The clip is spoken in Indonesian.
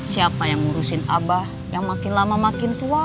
siapa yang ngurusin abah yang makin lama makin tua